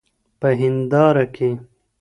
په هینداره کي